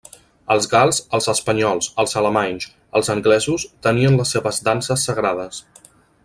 Els gals, els espanyols, els alemanys, els anglesos tenien les seves danses sagrades.